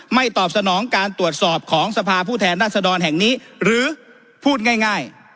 ตอบสนองการตรวจสอบของสภาผู้แทนรัศดรแห่งนี้หรือพูดง่าย